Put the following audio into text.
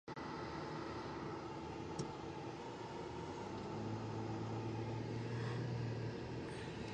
Austin Organs, Incorporated builds a proprietary kind of tremulant for its Universal Windchest.